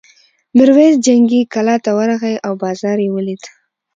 میرويس جنګي کلا ته ورغی او بازار یې ولید.